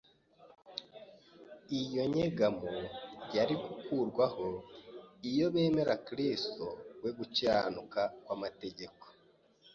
Iyo nyegamo yari gukurwaho iyo bemera Kristo, we gukiranuka kw’amategeko.